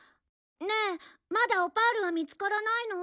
ねえまだオパールは見つからないの？